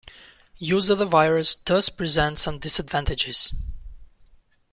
Use of the virus does present some disadvantages.